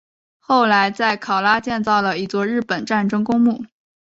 后来在考拉建造了一座日本战争公墓。